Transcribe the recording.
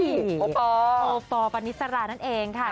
โอปอลโอปอลปานิสรานั่นเองค่ะ